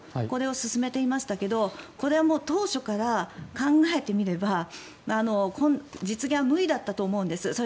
これを進めていましたがこれはもう当初から考えてみれば実現は無理だったと思うんです。